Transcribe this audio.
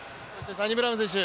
サニブラウン選手